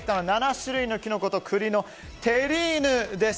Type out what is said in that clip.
７種類のキノコと栗のテリーヌ。